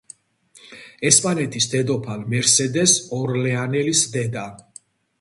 ესპანეთის დედოფალ მერსედეს ორლეანელის დედა.